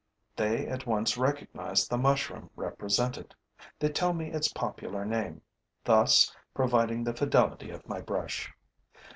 They at once recognize the mushroom represented; they tell me its popular name, thus proving the fidelity of my brush.